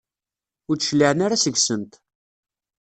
Ur d-cliɛen ara seg-sent.